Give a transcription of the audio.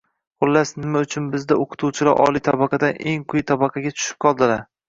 Xullas, nima uchun bizda o‘qituvchilar oliy tabaqadan eng quyi pog‘onaga tushib qoldilar?